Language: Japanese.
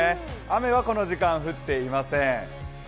雨はこの時間、降っていません。